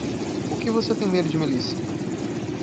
O que você tem medo de Melissa?